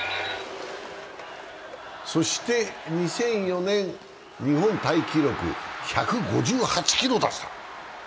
そして２００４年、日本タイ記録１５８キロを出した。